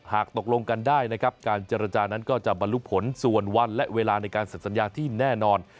ตกลงกันได้นะครับการเจรจานั้นก็จะบรรลุผลส่วนวันและเวลาในการเสร็จสัญญาที่แน่นอน